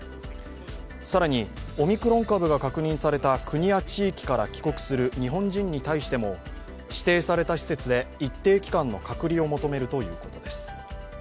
更にオミクロン株が確認された国や地域から帰国する日本人に対しても指定された施設で一定期間の隔離を求めるということです。